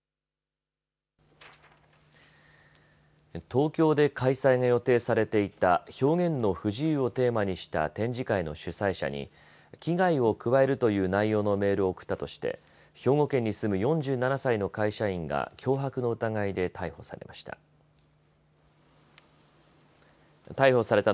東京で開催が予定されていた表現の不自由をテーマにした展示会の主催者に危害を加えるという内容のメールを送ったとして兵庫県に住む４７歳の会社員が脅迫の疑いで逮捕されました。